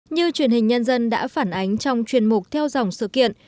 như truyền hình nhân dân đã phản ánh trong chuyên mục theo dòng sự kiện